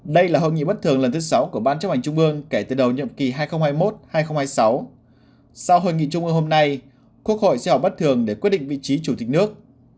đây là hội nghị bất thường lần thứ sáu của ban chấp hành trung ương kể từ đầu nhiệm kỳ hai nghìn hai mươi một hai nghìn hai mươi sáu sau hội nghị trung ương hôm nay quốc hội sẽ họp bất thường để quyết định vị trí chủ tịch nước